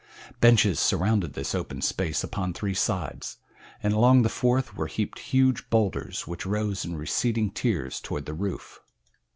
Benches surrounded this open space upon three sides, and along the fourth were heaped huge bowlders which rose in receding tiers toward the roof.